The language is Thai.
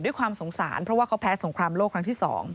ด้วยความสงสารเพราะว่าเขาแพ้สงครามโลกครั้งที่๒